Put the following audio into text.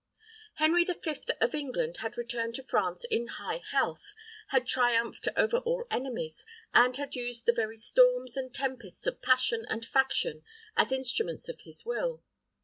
Henry the Fifth of England had returned to France in high health, had triumphed over all enemies, and had used the very storms and tempests of passion and faction as instruments of his will.